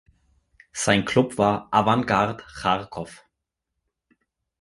Sein Klub war "Awangard" Charkow.